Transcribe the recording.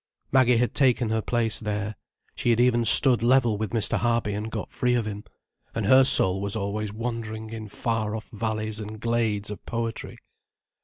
Maggie had taken her place there, she had even stood level with Mr. Harby and got free of him: and her soul was always wandering in far off valleys and glades of poetry.